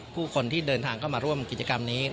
ผู้คนที่เดินทางเข้ามาร่วมกิจกรรมนี้